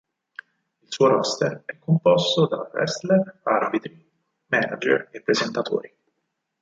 Il suo roster è composto da wrestler, arbitri, manager e presentatori.